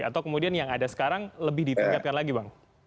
atau kemudian yang ada sekarang lebih ditingkatkan lagi bang